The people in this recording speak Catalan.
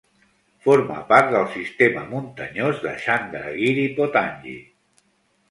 Forma part del sistema muntanyós de Chandragiri-Pottangi.